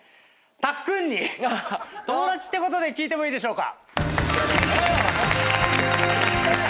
友達ってことで聞いてもいいでしょうか？